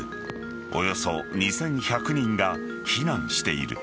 およそ２１００人が避難している。